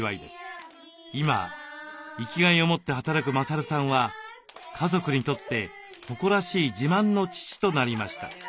今生きがいを持って働く勝さんは家族にとって誇らしい自慢の父となりました。